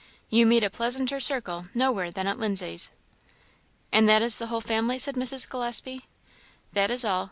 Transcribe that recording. You meet a pleasanter circle nowhere than at Lindsay's." "And that is the whole family?" said Mrs. Gillespie. "That is all.